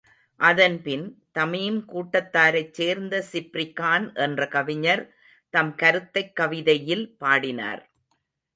அதன்பின், தமீம் கூட்டத்தாரைச் சேர்ந்த ஸிப்ரிகான் என்ற கவிஞர் தம் கருத்தைக் கவிதையில் பாடினார்.